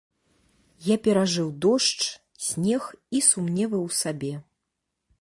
Я перажыў дождж, снег і сумневы ў сабе.